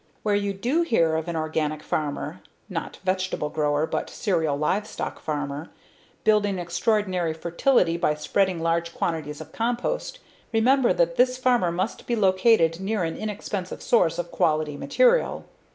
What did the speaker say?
Where you do hear of an organic farmer (not vegetable grower but cereal/livestock farmer) building extraordinary fertility by spreading large quantities of compost, remember that this farmer must be located near an inexpensive source of quality material.